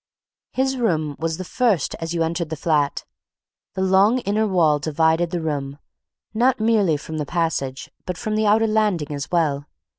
His room was the first as you entered the flat. The long inner wall divided the room not merely from the passage but from the outer landing as well.